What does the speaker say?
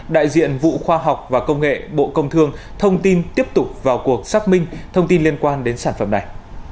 đại diện vụ khoa học và công nghệ bộ công thương thông tin tiếp tục vào cuộc xác minh thông tin liên quan đến sản phẩm này